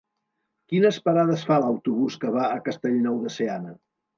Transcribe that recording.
Quines parades fa l'autobús que va a Castellnou de Seana?